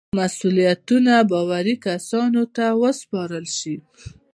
مسئولیتونه باوري کسانو ته وسپارل شي.